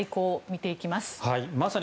見ていきます。